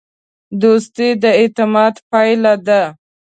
دوستي د اعتماد پایله ده.